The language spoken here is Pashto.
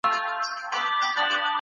جهالت تياره ده.